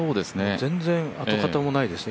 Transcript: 全然跡形もないですね